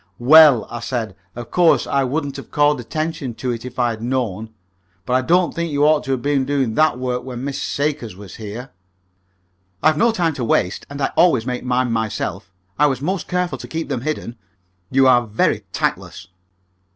"Well," I said, "of course I wouldn't have called attention to it if I had known, but I don't think you ought to have been doing that work when Miss Sakers was here." "I've no time to waste, and I always make mine myself. I was most careful to keep them hidden. You are very tactless."